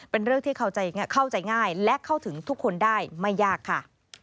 เป็นเรื่องที่เข้าใจง่ายและเข้าถึงทุกคนได้ไม่ยากค่ะ